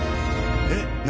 えっ？何？